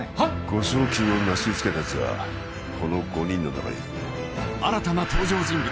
誤送金をなすりつけたやつがこの５人の中にいる新たな登場人物